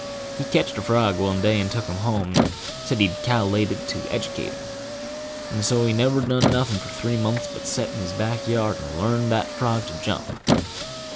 He ketched a frog one day, and took him home, and said he cal'klated to edercate him; and so he never done nothing for three months but set in his back yard and learn that frog to jump.